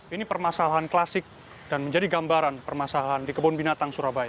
ini permasalahan klasik dan menjadi gambaran permasalahan di kebun binatang surabaya